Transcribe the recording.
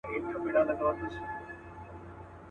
انګولاوي به خپرې وې د لېوانو.